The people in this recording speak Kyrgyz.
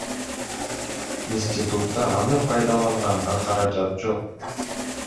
Институтта аны пайдаланганга каражат жок.